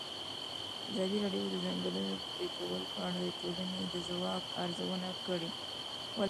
ازادي راډیو د د ځنګلونو پرېکول په اړه د ټولنې د ځواب ارزونه کړې.